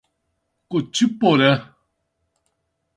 Cotiporã